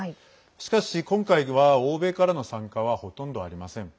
しかし、今回は欧米からの参加はほとんどありません。